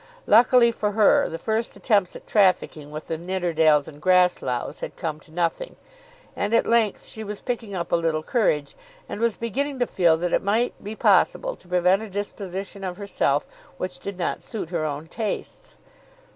Luckily for her, the first attempts at trafficking with the Nidderdales and Grassloughs had come to nothing; and at length she was picking up a little courage, and was beginning to feel that it might be possible to prevent a disposition of herself which did not suit her own tastes.